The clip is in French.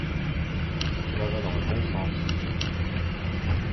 Cela va dans le bon sens.